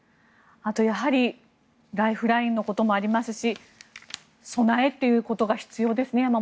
あとやはりライフラインのこともありますし備えということが必要ですね。